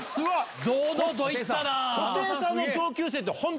⁉堂々といったな！